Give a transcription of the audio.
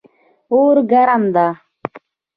اور ګرم ده